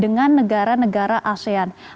dengan negara negara asean